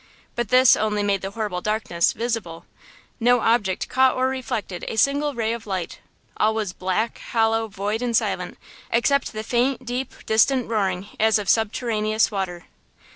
But this only made the horrible darkness "visible;" no object caught or reflected a single ray of light; all was black, hollow, void and silent except the faint, deep, distant, roaring as of subterraneous water!